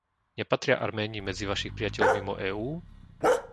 Nepatria Arméni medzi vašich priateľov mimo EÚ?